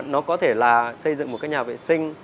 nó có thể là xây dựng một cái nhà vệ sinh